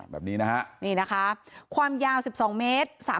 แบบนี้นะคะความยาว๑๒เมตร